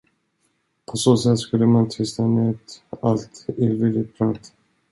På så sätt skulle man tysta ned allt illvilligt prat.